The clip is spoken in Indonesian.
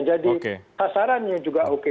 jadi sasarannya juga oke